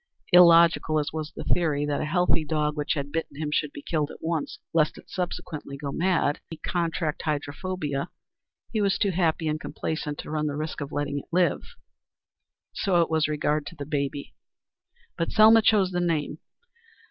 Illogical as was the theory that a healthy dog which had bitten him should be killed at once, lest it subsequently go mad and he contract hydrophobia, he was too happy and complacent to run the risk of letting it live. So it was with regard to baby. But Selma chose the name.